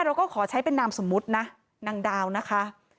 เราก็ขอใช้เป็นนามสมมุตินะนางดาวนะคะ